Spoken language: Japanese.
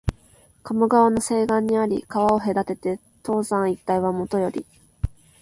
加茂川の西岸にあり、川を隔てて東山一帯はもとより、